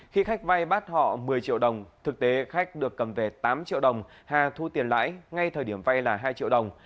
khi khách vay bắt họ một mươi triệu đồng thực tế khách được cầm về tám triệu đồng hà thu tiền lãi ngay thời điểm vay là hai triệu đồng